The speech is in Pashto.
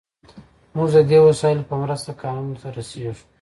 موږ د دې وسایلو په مرسته کانونو ته رسیږو.